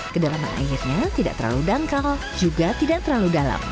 kedalaman airnya tidak terlalu dangkal juga tidak terlalu dalam